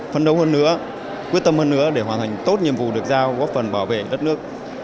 phấn đấu hơn nữa quyết tâm hơn nữa để hoàn thành tốt nhiệm vụ được giao góp phần bảo vệ đất nước